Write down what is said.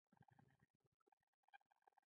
کونډه د ناخوالو ځپلې ښځه ده